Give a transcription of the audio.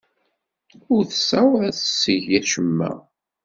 Ur tessawaḍ ad teg acemma.